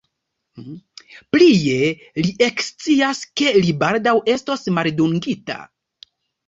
Plie, li ekscias, ke li baldaŭ estos maldungita.